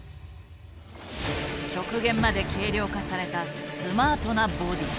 極限まで軽量化されたスマートなボディー。